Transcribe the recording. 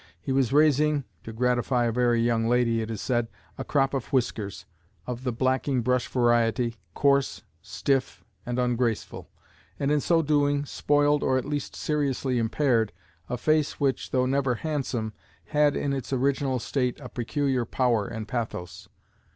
He was raising (to gratify a very young lady, it is said) a crop of whiskers, of the blacking brush variety, coarse, stiff, and ungraceful; and in so doing spoiled, or at least seriously impaired, a face which, though never handsome, had in its original state a peculiar power and pathos.